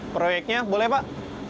proyeknya boleh pak